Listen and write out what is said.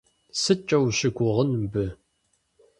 СыткӀэ ущыгугъын мыбы?